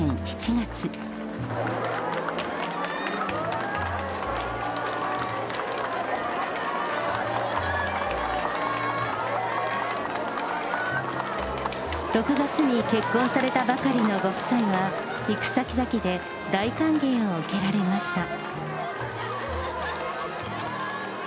６月に結婚されたばかりのご夫妻は、行く先々で大歓迎を受けられました。